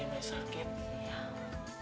harusnya kita masuk